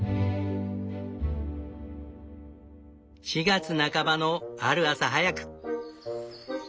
４月半ばのある朝早く。